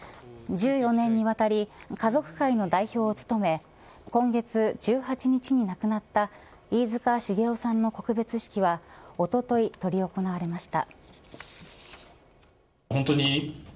１４年にわたり家族会の代表を務め今月１８日に亡くなった飯塚繁雄さんの告別式はおとといとり行われました。